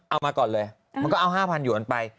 เอามาก่อนเลยมันก็เอา๕๐๐หยวนไป